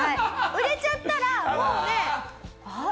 売れちゃったらもうねあっ！